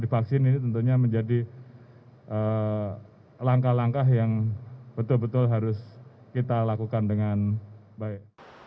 karena divaksin ini tentunya menjadi langkah langkah yang betul betul harus kita lakukan dengan baik